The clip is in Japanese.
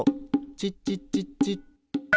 チッチッチッチッ。